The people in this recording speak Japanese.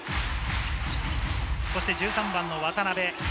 そして１３番の渡邉。